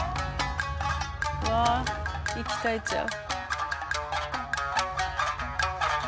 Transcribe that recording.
うわ息絶えちゃう。